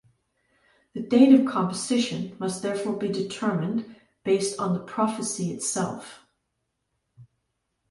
The date of composition must therefore be determined based on the prophecy itself.